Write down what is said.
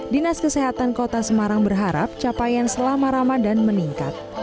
dinas kesehatan kota semarang berharap capaian selama ramadan meningkat